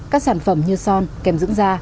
các sản phẩm như son kèm dưỡng da